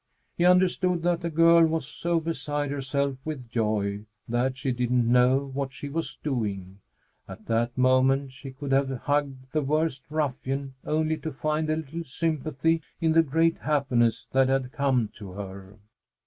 He understood that the girl was so beside herself with joy that she didn't know what she was doing. At that moment she could have hugged the worst ruffian, only to find a little sympathy in the great happiness that had come to her.